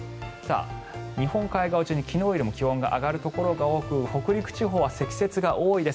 日本海側を中心に、昨日よりも気温が上がるところが多く北陸地方は積雪が多いです。